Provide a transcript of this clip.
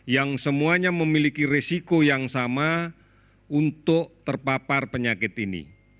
yang semuanya memiliki resiko yang sama untuk terpapar penyakit ini